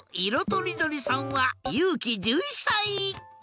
とりどりさんはゆうき１１さい。